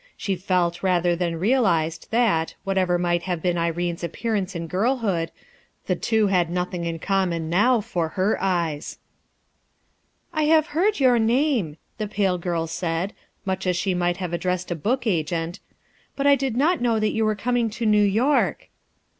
She felt rather than realized that, whatever might have been Irene's appearance in girlhood, the two had nothing in common now, for her eyes, "I have heard your name/' the pale girl said, much as she might have addressed a book agent, 268 " A STUDY " 269 "but I did not know that you were cotW to New York."